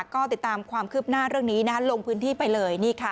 ก็ติดตามความคืบหน้าเรื่องนี้ลงพื้นที่ไปเลย